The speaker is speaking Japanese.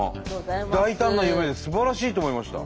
大胆な夢ですばらしいと思いました。